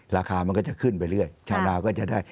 ราคามันก็จะขึ้นไปเรื่อยชาวนาก็จะได้